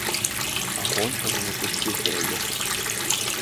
Агонь ужо не пусціў пераехаць.